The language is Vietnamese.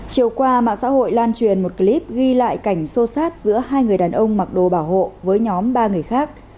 chiều qua mạng xã hội lan truyền một clip ghi lại cảnh sô sát giữa hai người đàn ông mặc đồ bảo hộ với nhóm ba người khác